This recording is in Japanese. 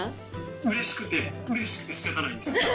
うれしくてうれしくてしかたないです。